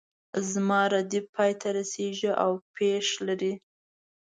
په زما ردیف پای ته رسیږي او پیښ لري.